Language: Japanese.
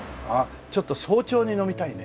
ちょっと早朝に飲みたいね。